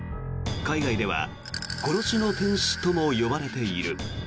海外では殺しの天使とも呼ばれている。